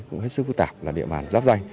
cũng hết sức phức tạp là địa bàn giáp danh